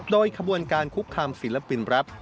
โดยขบวนการคุกคามศิลปินแรป